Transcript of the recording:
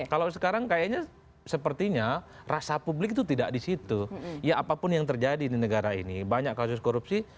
kalau sekarang kayaknya sepertinya rasa publik itu tidak di situ ya apapun yang terjadi di negara ini banyak kasus korupsi